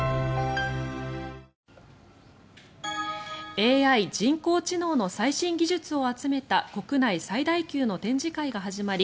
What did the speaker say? ＡＩ・人工知能の最新技術を集めた国内最大級の展示会が始まり